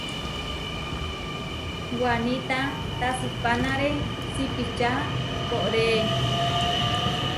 Wanita tasipánare sipiča koʼorée.